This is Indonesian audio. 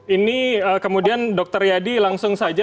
ini kemudian dokter yadi langsung saja